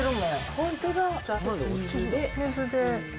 本当だ。